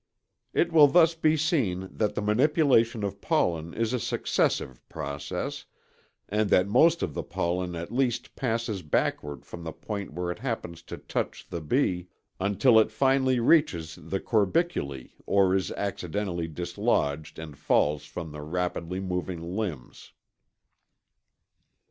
It will thus be seen that the manipulation of pollen is a successive process, and that most of the pollen at least passes backward from the point where it happens to touch the bee until it finally reaches the corbiculæ or is accidentally dislodged and falls from the rapidly moving limbs.